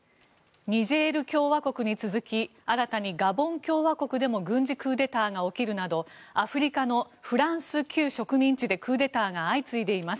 ニジェール共和国に続き新たにガボン共和国でも軍事クーデターが起きるなどアフリカのフランス旧植民地でクーデターが相次いでいます。